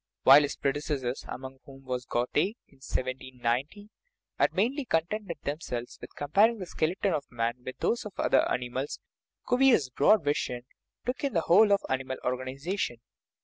While his predecessors among whom was. Goethe in 1790 had mainly contented themselves with comparing the skeleton of man with those of other ani mals, Cuvier's broader vision took in the whole of the animal organization.